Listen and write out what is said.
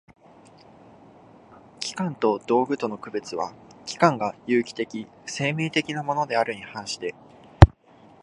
器官と道具との区別は、器官が有機的（生命的）なものであるに反して